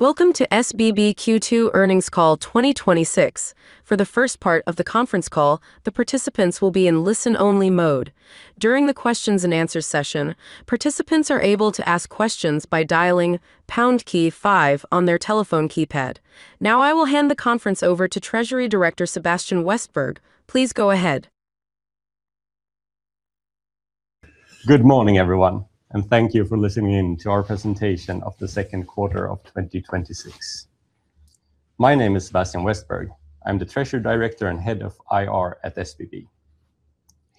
Welcome to SBB Q2 earnings call 2026. For the first part of the conference call, the participants will be in listen-only mode. During the questions and answers session, participants are able to ask questions by dialing pound key five on their telephone keypad. Now I will hand the conference over to Treasury Director Sebastian Westberg. Please go ahead. Good morning, everyone. Thank you for listening in to our presentation of the second quarter of 2026. My name is Sebastian Westberg. I am the Treasury Director and Head of IR at SBB.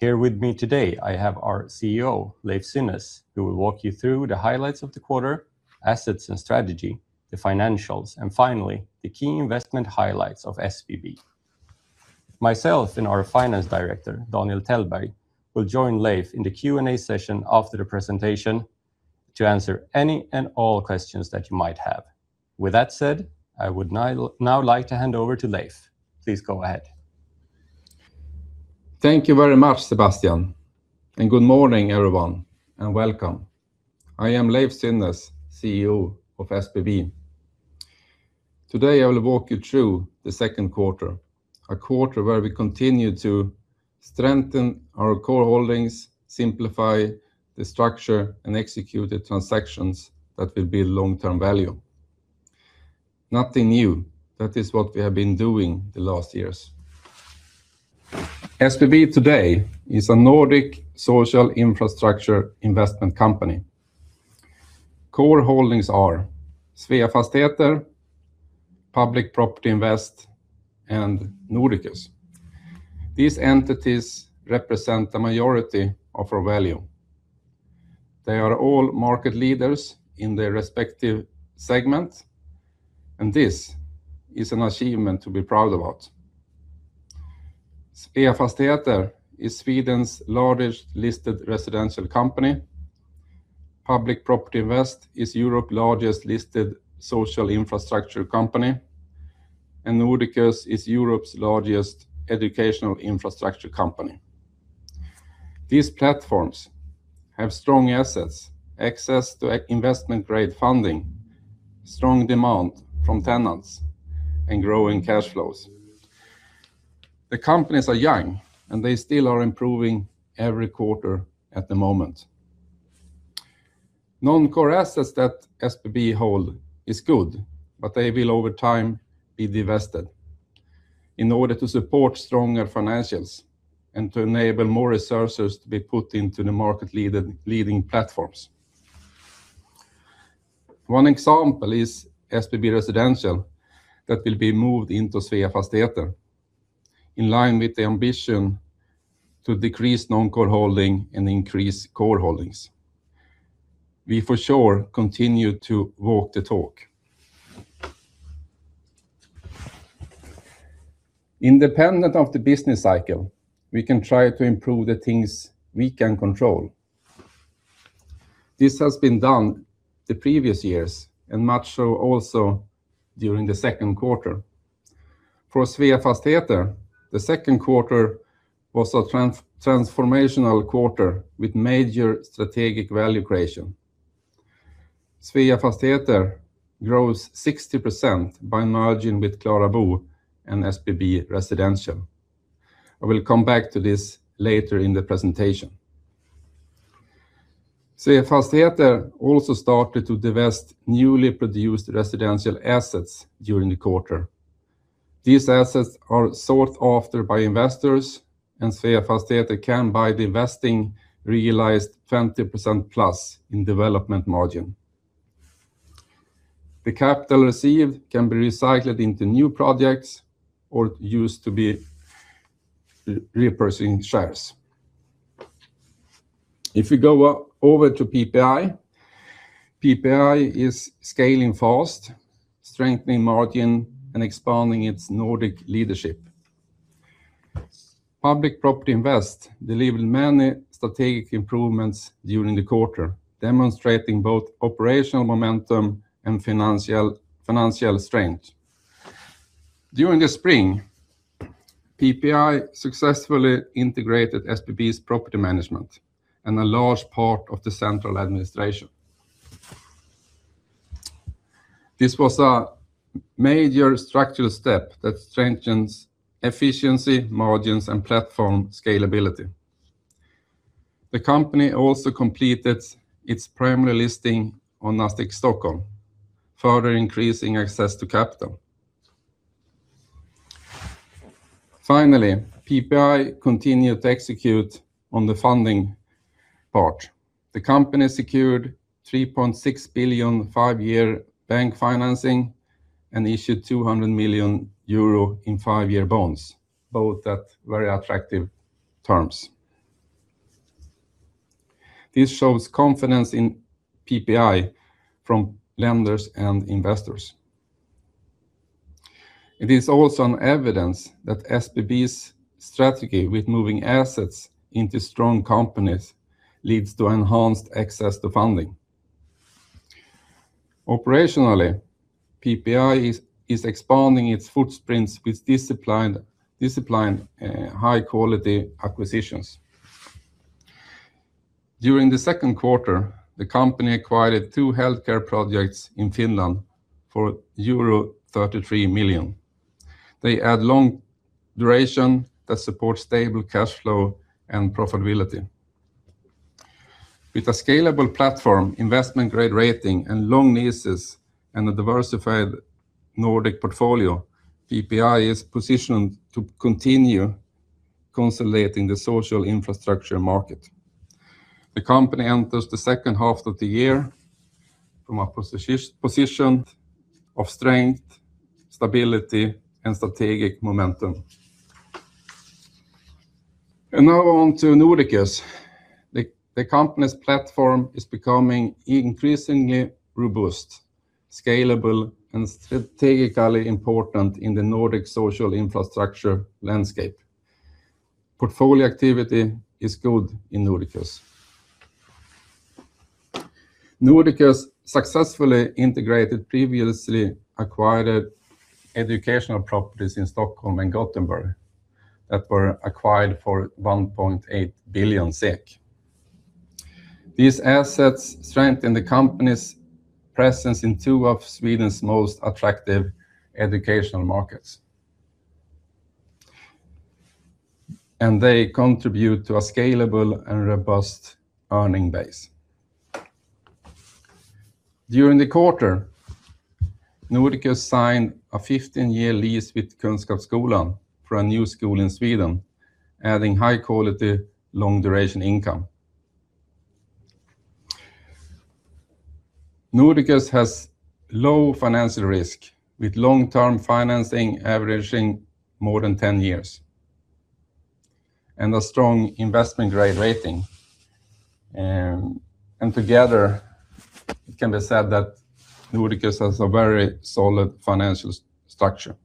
Here with me today, I have our CEO, Leiv Synnes, who will walk you through the highlights of the quarter, assets and strategy, the financials, and finally, the key investment highlights of SBB. Myself and our Finance Director, Daniel Tellberg, will join Leiv in the Q&A session after the presentation to answer any and all questions that you might have. With that said, I would now like to hand over to Leiv. Please go ahead. Thank you very much, Sebastian. Good morning, everyone, and welcome. I am Leiv Synnes, CEO of SBB. Today, I will walk you through the second quarter, a quarter where we continue to strengthen our core holdings, simplify the structure, and execute the transactions that will build long-term value. Nothing new. That is what we have been doing the last years. SBB today is a Nordic social infrastructure investment company. Core holdings are Sveafastigheter, Public Property Invest, and Nordiqus. These entities represent the majority of our value. They are all market leaders in their respective segments, and this is an achievement to be proud about. Sveafastigheter is Sweden's largest listed residential company. Public Property Invest is Europe's largest listed social infrastructure company, and Nordiqus is Europe's largest educational infrastructure company. These platforms have strong assets, access to investment-grade funding, strong demand from tenants, and growing cash flows. The companies are young. They still are improving every quarter at the moment. Non-core assets that SBB hold is good. They will over time be divested in order to support stronger financials and to enable more resources to be put into the market-leading platforms. One example is SBB Residential that will be moved into Sveafastigheter in line with the ambition to decrease non-core holding and increase core holdings. We for sure continue to walk the talk. Independent of the business cycle, we can try to improve the things we can control. This has been done the previous years and much so also during the second quarter. For Sveafastigheter, the second quarter was a transformational quarter with major strategic value creation. Sveafastigheter grows 60% by merging with KlaraBo and SBB Residential. I will come back to this later in the presentation. Sveafastigheter also started to divest newly produced residential assets during the quarter. These assets are sought after by investors, and Sveafastigheter can, by divesting, realize +20% in development margin. The capital received can be recycled into new projects or used to be repurchasing shares. PPI is scaling fast, strengthening margin, and expanding its Nordic leadership. Public Property Invest delivered many strategic improvements during the quarter, demonstrating both operational momentum and financial strength. During the spring, PPI successfully integrated SBB's property management and a large part of the central administration. This was a major structural step that strengthens efficiency, margins, and platform scalability. The company also completed its primary listing on Nasdaq Stockholm, further increasing access to capital. PPI continued to execute on the funding part. The company secured 3.6 billion five-year bank financing and issued 200 million euro in five-year bonds, both at very attractive terms. This shows confidence in PPI from lenders and investors. It is also an evidence that SBB's strategy with moving assets into strong companies leads to enhanced access to funding. Operationally, PPI is expanding its footprints with disciplined high-quality acquisitions. During the second quarter, the company acquired two healthcare projects in Finland for euro 33 million. They add long duration that supports stable cash flow and profitability. With a scalable platform, investment-grade rating, and long leases and a diversified Nordic portfolio, PPI is positioned to continue consolidating the social infrastructure market. The company enters the second half of the year from a position of strength, stability, and strategic momentum. Nordiqus. The company's platform is becoming increasingly robust, scalable, and strategically important in the Nordic social infrastructure landscape. Portfolio activity is good in Nordiqus. Nordiqus successfully integrated previously acquired educational properties in Stockholm and Gothenburg that were acquired for 1.8 billion SEK. These assets strengthen the company's presence in two of Sweden's most attractive educational markets, and they contribute to a scalable and robust earning base. During the quarter, Nordiqus signed a 15-year lease with Kunskapsskolan for a new school in Sweden, adding high-quality, long-duration income. Nordiqus has low financial risk, with long-term financing averaging more than 10 years and a strong investment-grade rating. It can be said that Nordiqus has a very solid financial structure.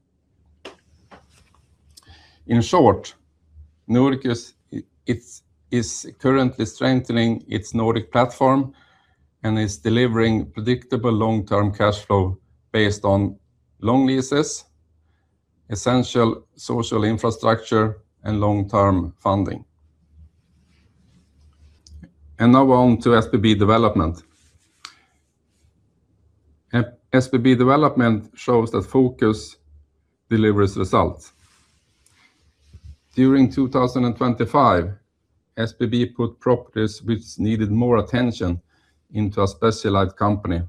In short, Nordiqus is currently strengthening its Nordic platform and is delivering predictable long-term cash flow based on long leases, essential social infrastructure, and long-term funding. SBB Development. SBB Development shows that focus delivers results. During 2025, SBB put properties which needed more attention into a specialized company,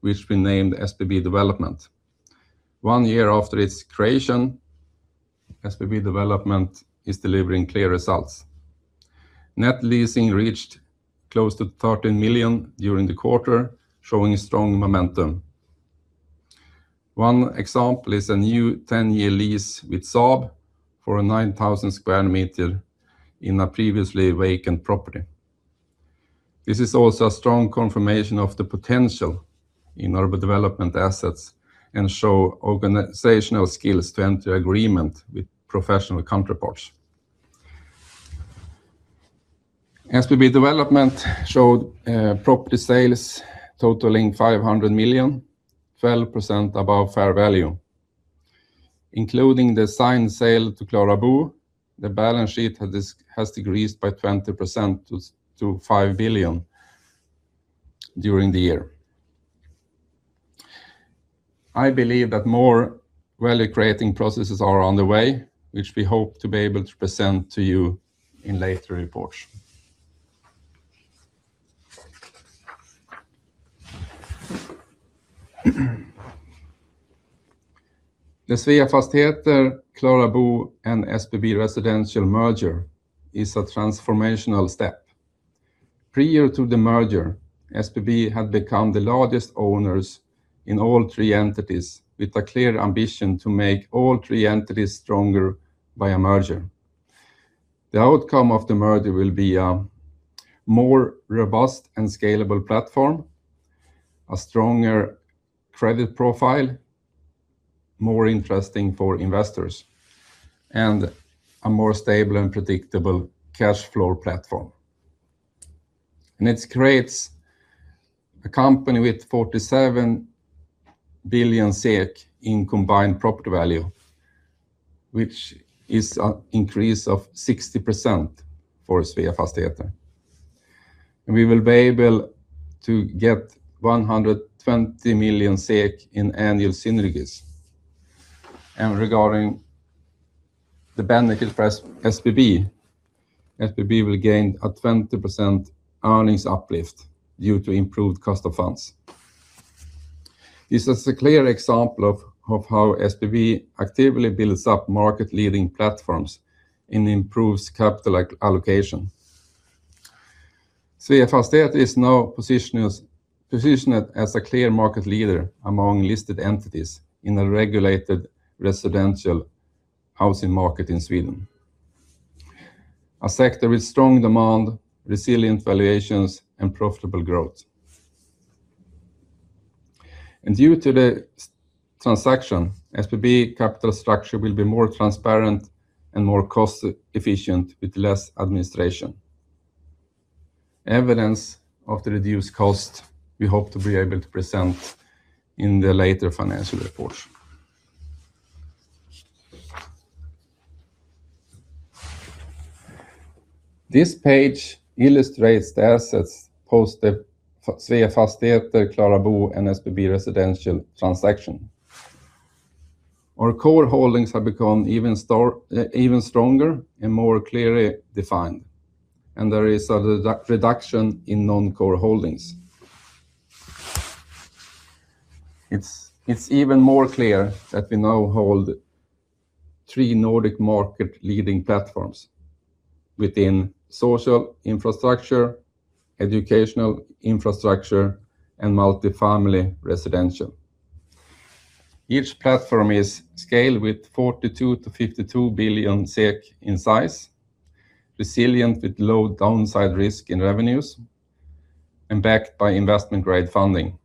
which we named SBB Development. One year after its creation, SBB Development is delivering clear results. Net leasing reached close to 13 million during the quarter, showing strong momentum. One example is a new 10-year lease with Saab for a 9,000 sq m in a previously vacant property. This is also a strong confirmation of the potential in urban development assets and show organizational skills to enter agreement with professional counterparts. SBB Development showed property sales totaling 500 million, 12% above fair value. Including the signed sale to KlaraBo, the balance sheet has decreased by 20% to 5 billion during the year. I believe that more value-creating processes are on the way, which we hope to be able to present to you in later reports. The Sveafastigheter, KlaraBo, and SBB Residential merger is a transformational step. Prior to the merger, SBB had become the largest owners in all three entities, with a clear ambition to make all three entities stronger by a merger. The outcome of the merger will be a more robust and scalable platform, a stronger credit profile, more interesting for investors, and a more stable and predictable cash flow platform. It creates a company with 47 billion SEK in combined property value, which is an increase of 60% for Sveafastigheter. We will be able to get 120 million SEK in annual synergies. Regarding the benefits for SBB will gain a 20% earnings uplift due to improved cost of funds. This is a clear example of how SBB actively builds up market-leading platforms and improves capital allocation. Sveafastigheter is now positioned as a clear market leader among listed entities in a regulated residential housing market in Sweden, a sector with strong demand, resilient valuations, and profitable growth. Due to the transaction, SBB capital structure will be more transparent and more cost-efficient with less administration. Evidence of the reduced cost we hope to be able to present in the later financial reports. This page illustrates the assets post the Sveafastigheter, KlaraBo and SBB Residential transaction. Our core holdings have become even stronger and more clearly defined, and there is a reduction in non-core holdings. It's even more clear that we now hold three Nordic market-leading platforms within social infrastructure, educational infrastructure, and multifamily residential. Each platform is scaled with 42 billion-52 billion SEK in size, resilient with low downside risk in revenues, and backed by investment-grade funding,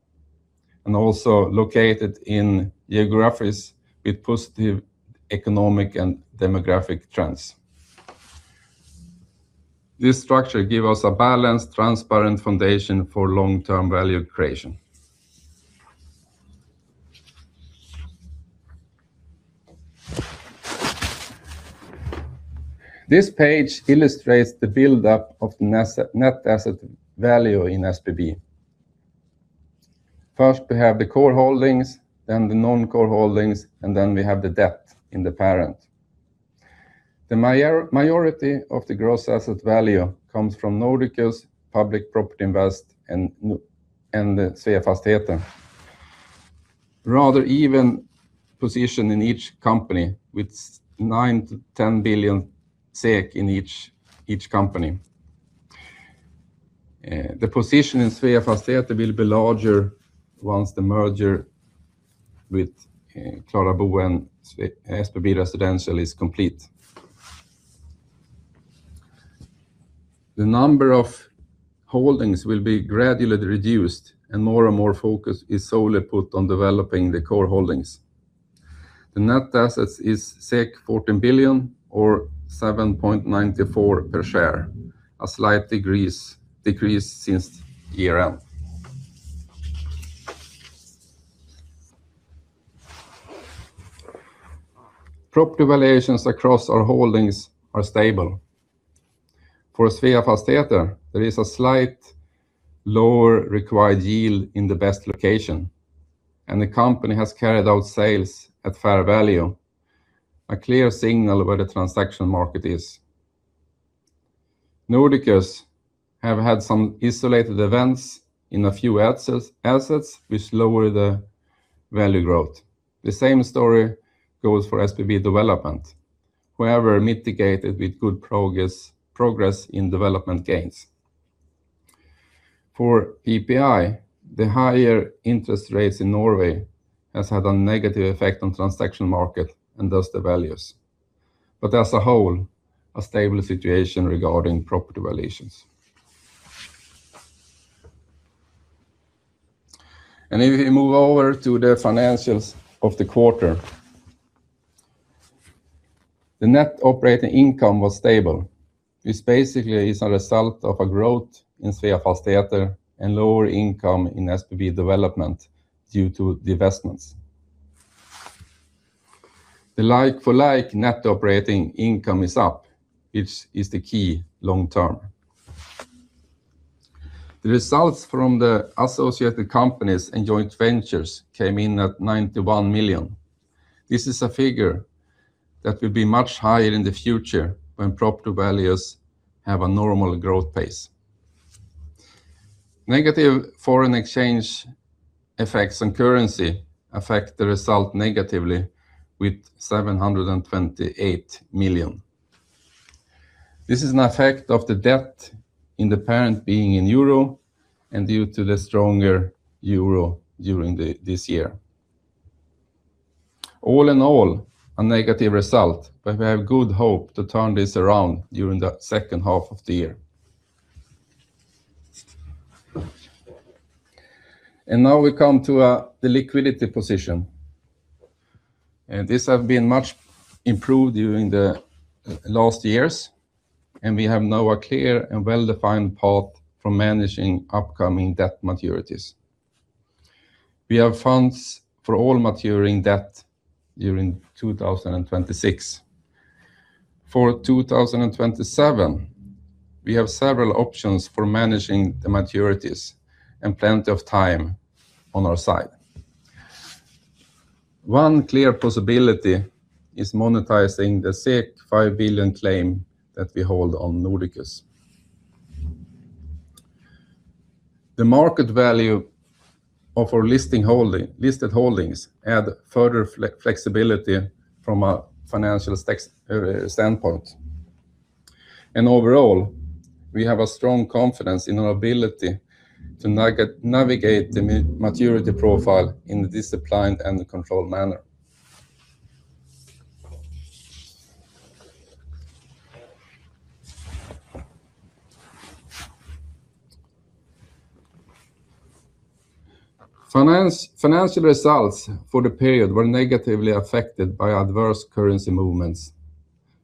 and also located in geographies with positive economic and demographic trends. This structure give us a balanced, transparent foundation for long-term value creation. This page illustrates the buildup of net asset value in SBB. First, we have the core holdings, then the non-core holdings, and then we have the debt in the parent. The majority of the gross asset value comes from Nordiqus, Public Property Invest, and the Sveafastigheter. Rather even position in each company with 9 billion-10 billion SEK in each company. The position in Sveafastigheter will be larger once the merger with KlaraBo and SBB Residential is complete. The number of holdings will be gradually reduced and more and more focus is solely put on developing the core holdings. The net assets is 14 billion or 7.94 per share, a slight decrease since year-end. Property valuations across our holdings are stable. For Sveafastigheter, there is a slight lower required yield in the best location, and the company has carried out sales at fair value, a clear signal where the transaction market is. Nordiqus have had some isolated events in a few assets which lower the value growth. The same story goes for SBB Development, however mitigated with good progress in development gains. For PPI, the higher interest rates in Norway has had a negative effect on transaction market and thus the values. As a whole, a stable situation regarding property valuations. If we move over to the financials of the quarter. The net operating income was stable. This basically is a result of a growth in Sveafastigheter and lower income in SBB Development due to the investments. The like-for-like net operating income is up, which is the key long term. The results from the associated companies and joint ventures came in at 91 million. This is a figure that will be much higher in the future when property values have a normal growth pace. Negative foreign exchange effects and currency affect the result negatively with 728 million. This is an effect of the debt in the parent being in EUR and due to the stronger euro during this year. All in all, a negative result, but we have good hope to turn this around during the second half of the year. Now we come to the liquidity position. This has been much improved during the last years, and we have now a clear and well-defined path for managing upcoming debt maturities. We have funds for all maturing debt during 2026. For 2027, we have several options for managing the maturities and plenty of time on our side. One clear possibility is monetizing the 5 billion claim that we hold on Nordiqus. The market value of our listed holdings add further flexibility from a financial standpoint. Overall, we have a strong confidence in our ability to navigate the maturity profile in a disciplined and controlled manner. Financial results for the period were negatively affected by adverse currency movements,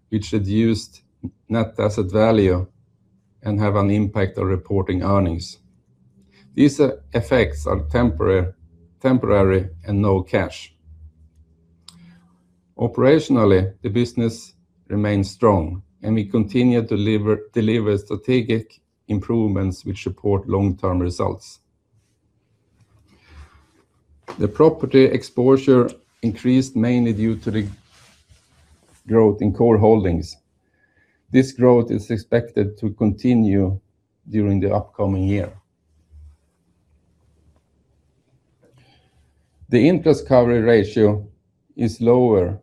which reduced net asset value and have an impact on reporting earnings. These effects are temporary and no cash. Operationally, the business remains strong, and we continue to deliver strategic improvements which support long-term results. The property exposure increased mainly due to the growth in core holdings. This growth is expected to continue during the upcoming year. The interest cover ratio is lower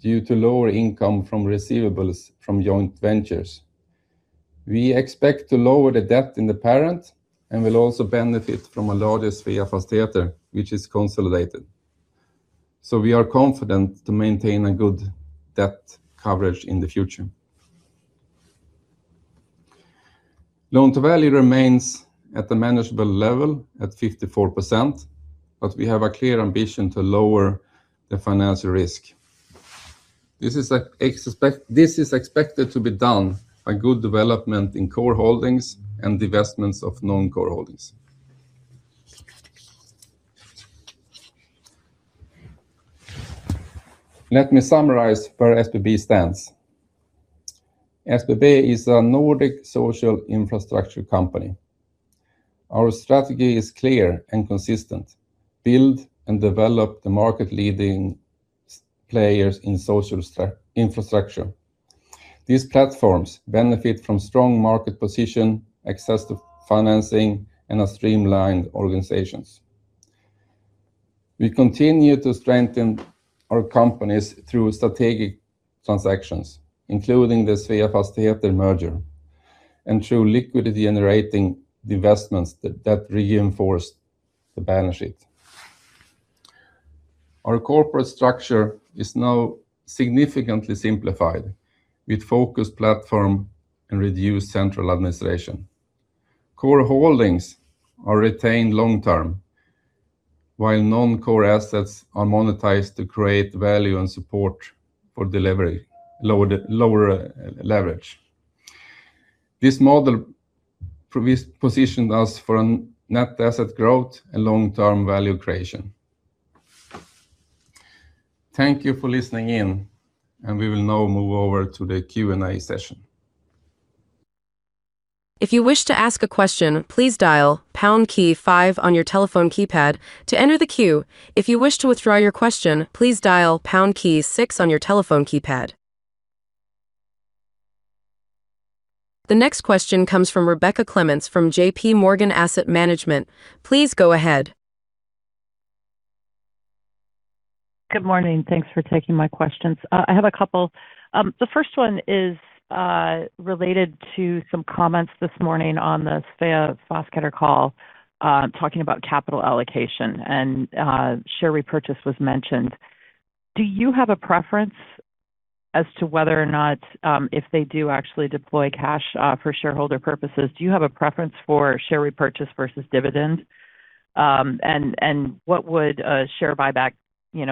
due to lower income from receivables from joint ventures. We expect to lower the debt in the parent and will also benefit from a larger Sveafastigheter, which is consolidated. We are confident to maintain a good debt coverage in the future. Loan-to-value remains at a manageable level at 54%, but we have a clear ambition to lower the financial risk. This is expected to be done by good development in core holdings and divestments of non-core holdings. Let me summarize where SBB stands. SBB is a Nordic social infrastructure company. Our strategy is clear and consistent. Build and develop the market leading players in social infrastructure. These platforms benefit from strong market position, access to financing, and streamlined organizations. We continue to strengthen our companies through strategic transactions, including the Sveafastigheter merger, and through liquidity-generating divestments that reinforce the balance sheet. Our corporate structure is now significantly simplified, with focused platform and reduced central administration. Core holdings are retained long-term, while non-core assets are monetized to create value and support for lower leverage. This model positioned us for net asset growth and long-term value creation. Thank you for listening in, and we will now move over to the Q&A session. If you wish to ask a question, please dial number pound key five on your telephone keypad to enter the queue. If you wish to withdraw your question, please dial number pound key six on your telephone keypad. The next question comes from Rebecca Clements from JPMorgan Asset Management. Please go ahead. Good morning. Thanks for taking my questions. I have a couple. The first one is related to some comments this morning on the Sveafastigheter call talking about capital allocation, and share repurchase was mentioned. Do you have a preference as to whether or not, if they do actually deploy cash for shareholder purposes? Do you have a preference for share repurchase versus dividends? What would a share buyback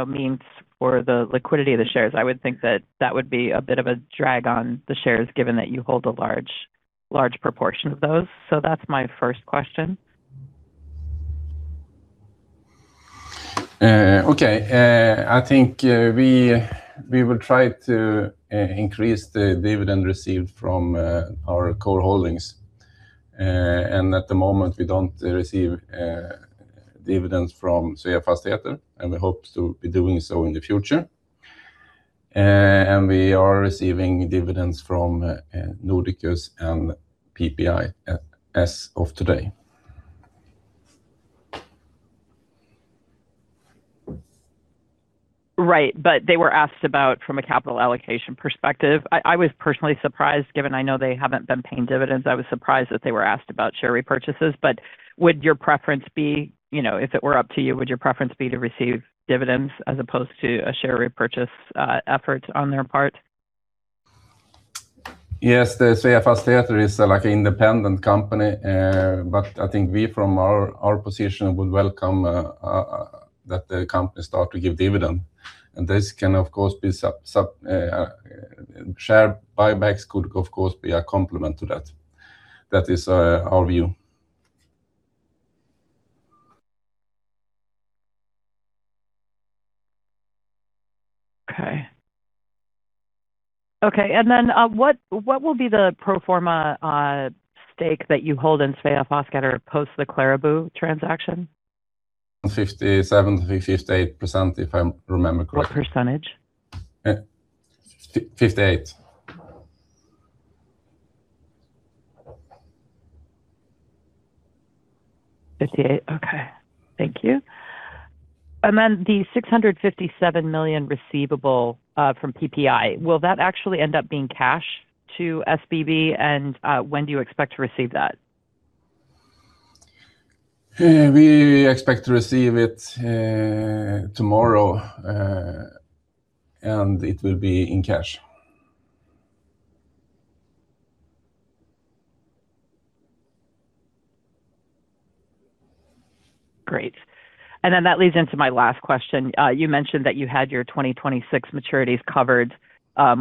mean for the liquidity of the shares? I would think that that would be a bit of a drag on the shares, given that you hold a large proportion of those. That's my first question. Okay. I think we will try to increase the dividend received from our core holdings. At the moment, we don't receive dividends from Sveafastigheter, and we hope to be doing so in the future. We are receiving dividends from Nordiqus and PPI as of today. Right. They were asked about from a capital allocation perspective. I was personally surprised, given I know they haven't been paying dividends. I was surprised that they were asked about share repurchases. Would your preference be, if it were up to you, would your preference be to receive dividends as opposed to a share repurchase effort on their part? Yes, the Sveafastigheter is like an independent company. I think we, from our position, would welcome that the company start to give dividend. Share buybacks could, of course, be a complement to that. That is our view. Okay. What will be the pro forma stake that you hold in Sveafastigheter post the KlaraBo transaction? 57%, 58%, if I remember correctly. What percentage? 58%. 58%. Okay. Thank you. The 657 million receivable from PPI, will that actually end up being cash to SBB? When do you expect to receive that? We expect to receive it tomorrow, and it will be in cash. Great. That leads into my last question. You mentioned that you had your 2026 maturities covered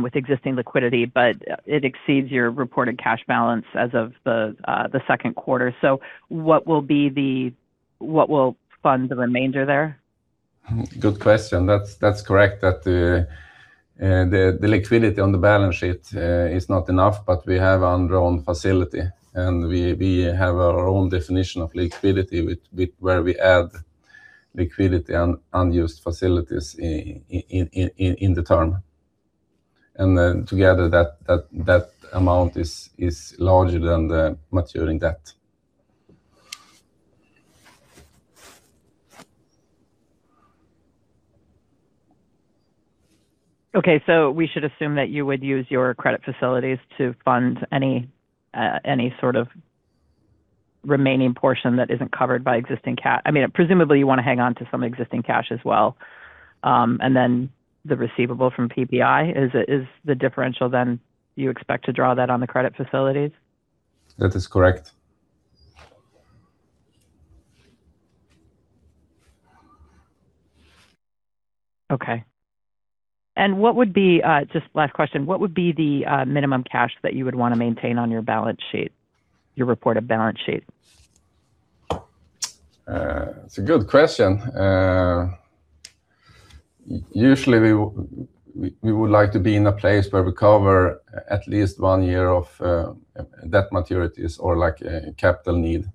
with existing liquidity, but it exceeds your reported cash balance as of the second quarter. What will fund the remainder there? Good question. That's correct that the liquidity on the balance sheet is not enough, but we have our own facility, and we have our own definition of liquidity, where we add liquidity and unused facilities in the term. Together that amount is larger than the maturing debt. Okay, we should assume that you would use your credit facilities to fund any sort of remaining portion that isn't covered by existing cash. Presumably you want to hang on to some existing cash as well, and then the receivable from PPI, is the differential then, you expect to draw that on the credit facilities? That is correct. Okay. Just last question, what would be the minimum cash that you would want to maintain on your reported balance sheet? It's a good question. Usually we would like to be in a place where we cover at least one year of debt maturities or capital need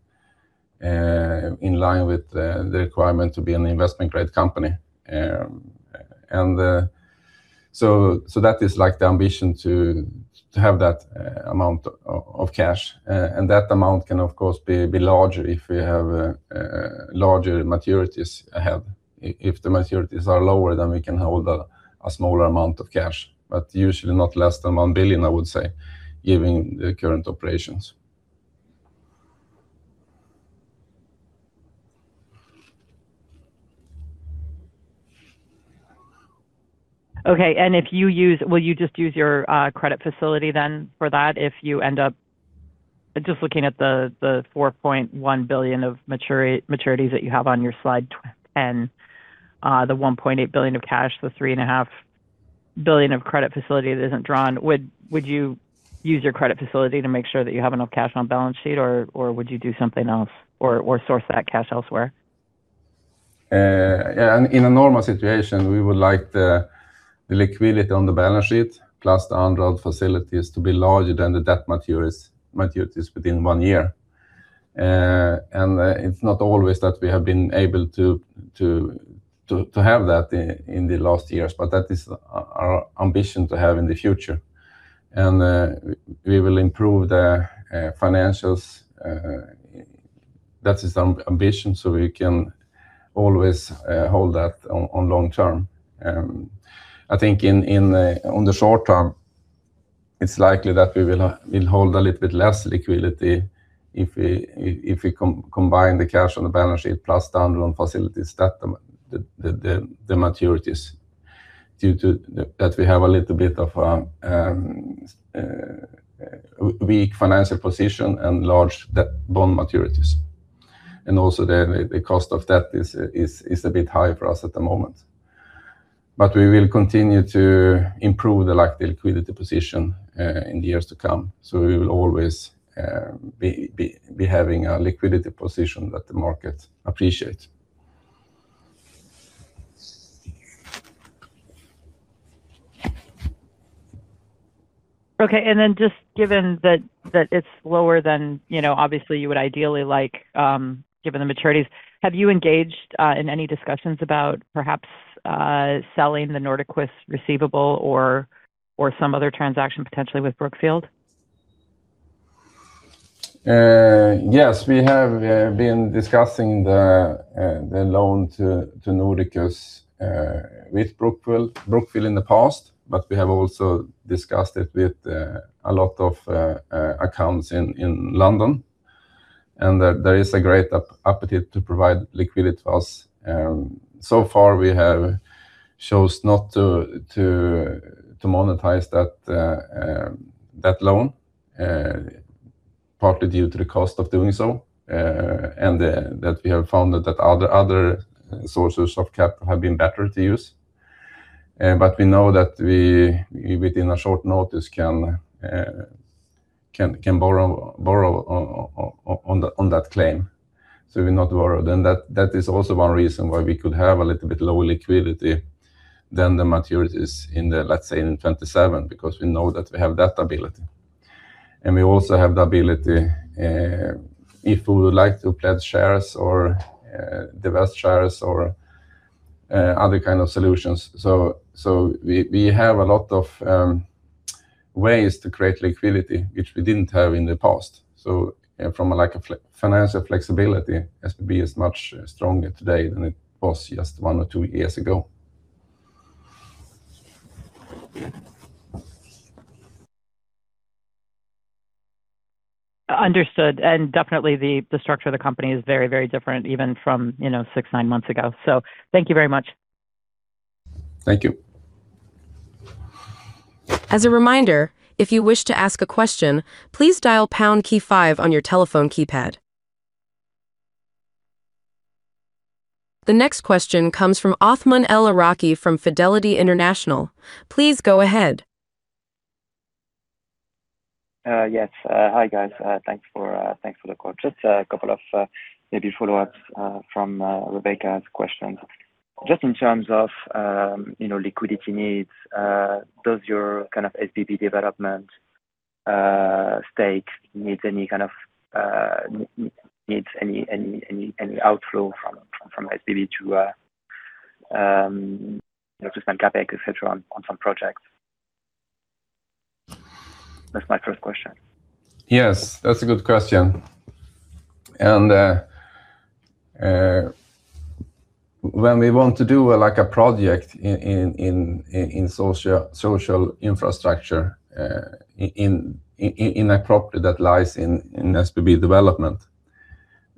in line with the requirement to be an investment-grade company. That is the ambition, to have that amount of cash. That amount can of course be larger if we have larger maturities ahead. If the maturities are lower, we can hold a smaller amount of cash, but usually not less than 1 billion, I would say, given the current operations. Okay, will you just use your credit facility then for that if you end up just looking at the 4.1 billion of maturities that you have on your slide, and the 1.8 billion of cash, the 3.5 billion of credit facility that isn't drawn. Would you use your credit facility to make sure that you have enough cash on balance sheet? Or would you do something else or source that cash elsewhere? In a normal situation, we would like the liquidity on the balance sheet plus the undrawn facilities to be larger than the debt maturities within one year. It's not always that we have been able to have that in the last years, but that is our ambition to have in the future. We will improve the financials. That is our ambition, so we can always hold that on long term. I think on the short term, it's likely that we will hold a little bit less liquidity if we combine the cash on the balance sheet plus the undrawn facilities, the maturities, due to that we have a little bit of weak financial position and large bond maturities. Also the cost of that is a bit high for us at the moment. We will continue to improve the liquidity position in the years to come. We will always be having a liquidity position that the market appreciates. Okay, then just given that it's lower than obviously you would ideally like, given the maturities, have you engaged in any discussions about perhaps selling the Nordiqus receivable or some other transaction potentially with Brookfield? Yes. We have been discussing the loan to Nordiqus with Brookfield in the past, we have also discussed it with a lot of accounts in London, and there is a great appetite to provide liquidity to us. So far, we have chose not to monetize that loan, partly due to the cost of doing so, and that we have found that other sources of capital have been better to use. We know that within a short notice can borrow on that claim. We're not worried. That is also one reason why we could have a little bit low liquidity than the maturities in the, let's say in 2027, because we know that we have that ability. We also have the ability, if we would like to pledge shares or divest shares or other kind of solutions. We have a lot of ways to create liquidity, which we didn't have in the past. From a lack of financial flexibility, SBB is much stronger today than it was just one or two years ago. Understood. Definitely the structure of the company is very, very different even from six, nine months ago. Thank you very much. Thank you. As a reminder, if you wish to ask a question, please dial pound key five on your telephone keypad. The next question comes from Othman El Iraki from Fidelity International. Please go ahead. Yes. Hi, guys. Thanks for the call. Just a couple of maybe follow-ups from Rebecca's questions. Just in terms of liquidity needs, does your kind of SBB Development stake need any outflow from SBB to spend CapEx, et cetera, on some projects? That's my first question. Yes, that's a good question. When we want to do a project in social infrastructure in a property that lies in SBB Development,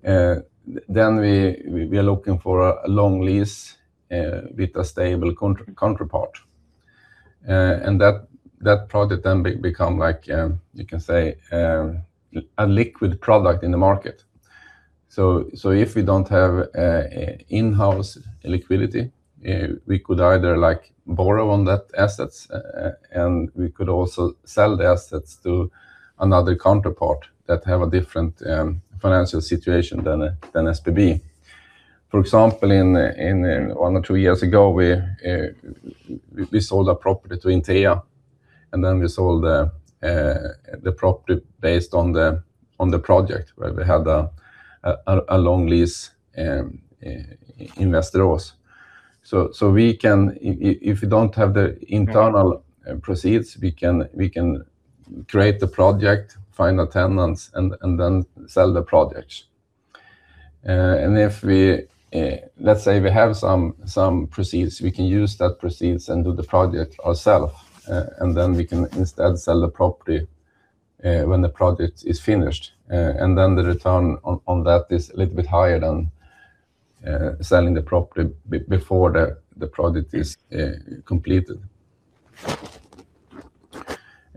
then we are looking for a long lease with a stable counterpart. That project then become, you can say, a liquid product in the market. If we don't have in-house liquidity, we could either borrow on that assets, and we could also sell the assets to another counterpart that have a different financial situation than SBB. For example, one or two years ago, we sold a property to Intea, and then we sold the property based on the project where we had a long lease investor with us. If we don't have the internal proceeds, we can create the project, find the tenants, and then sell the project. Let's say we have some proceeds, we can use that proceeds and do the project ourself, and then we can instead sell the property when the project is finished. The return on that is a little bit higher than selling the property before the project is completed.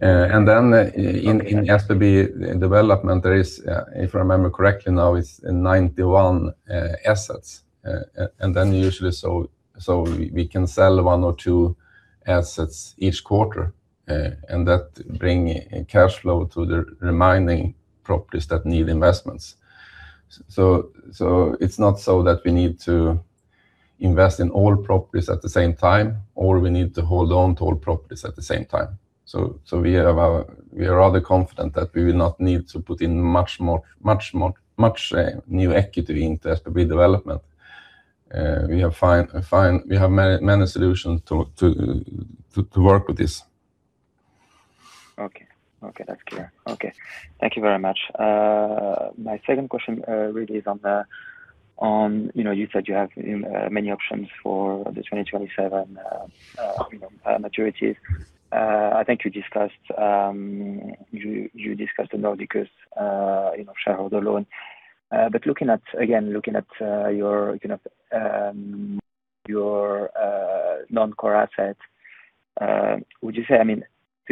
In SBB Development, there is, if I remember correctly now, is 91 assets. Usually we can sell one or two assets each quarter, and that bring cash flow to the remaining properties that need investments. It's not so that we need to invest in all properties at the same time, or we need to hold on to all properties at the same time. We are rather confident that we will not need to put in much new equity into SBB Development. We have many solutions to work with this. Okay. That's clear. Okay. Thank you very much. My second question really is on, you said you have many options for the 2027 maturities. I think you discussed the Nordiqus shareholder loan. Again, looking at your non-core assets, do you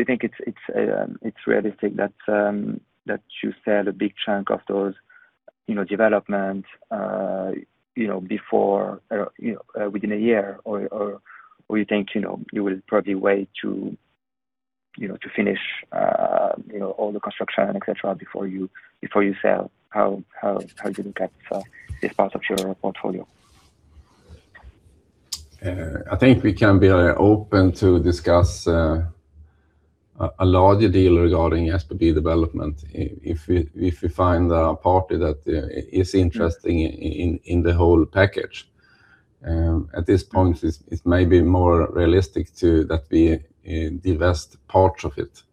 think it's realistic that you sell a big chunk of those developments within one year? You think you will probably wait to finish all the construction, et cetera, before you sell? How do you look at this part of your portfolio? I think we can be open to discuss a larger deal regarding SBB Development if we find a party that is interested in the whole package. At this point, it may be more realistic to that we divest part of it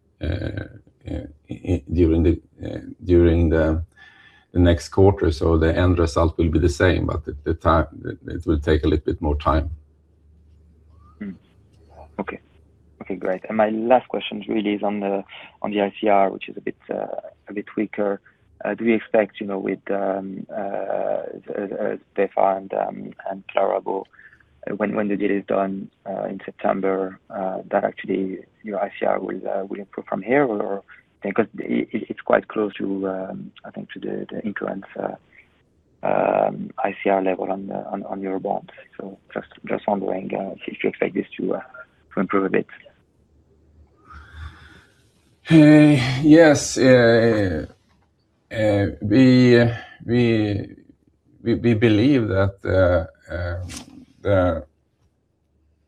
during the next quarter, the end result will be the same, it will take a little bit more time. Okay. Great. My last question really is on the ICR, which is a bit weaker. Do we expect with Sveafastigheter and KlaraBo, when the deal is done in September, that actually your ICR will improve from here? It's quite close, I think, to the incurrence ICR level on your bonds. Just wondering if you expect this to improve a bit. Yes. We believe that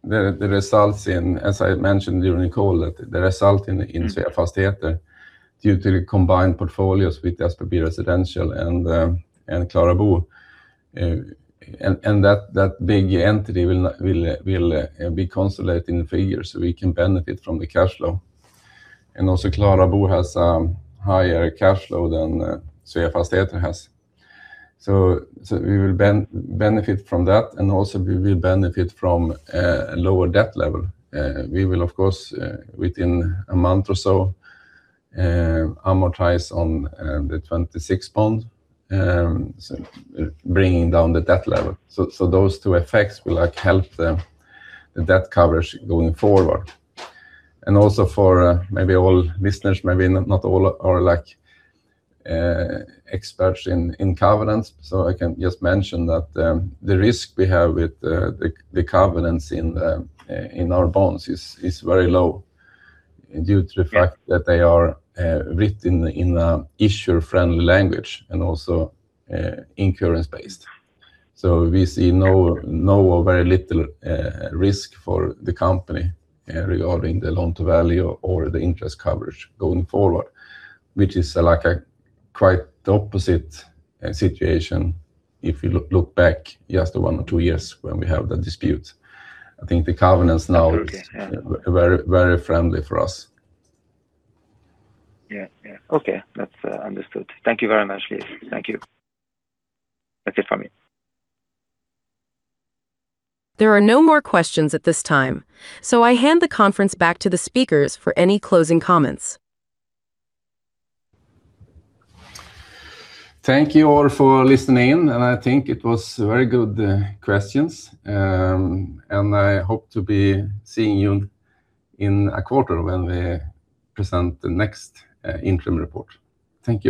the results in, as I mentioned during the call, that the result in Sveafastigheter due to the combined portfolios with SBB Residential and KlaraBo, that big entity will be consolidating the figures we can benefit from the cash flow. Also KlaraBo has a higher cash flow than Sveafastigheter has. We will benefit from that, we will benefit from a lower debt level. We will, of course, within a month or so, amortize on the 2026 bond, bringing down the debt level. Those two effects will help the debt coverage going forward. Also for maybe all listeners, maybe not all are experts in covenants, I can just mention that the risk we have with the covenants in our bonds is very low due to the fact that they are written in an issuer-friendly language and also incurrence-based. We see no or very little risk for the company regarding the loan-to-value or the interest coverage going forward, which is quite the opposite situation if you look back just one or two years when we have the dispute. I think the covenants now. They are very friendly for us. Okay, that's understood. Thank you very much, Leiv. Thank you. That's it from me. There are no more questions at this time. I hand the conference back to the speakers for any closing comments. Thank you all for listening, I think it was very good questions. I hope to be seeing you in a quarter when we present the next interim report. Thank you